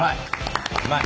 うまい！